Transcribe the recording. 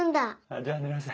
じゃ寝なさい。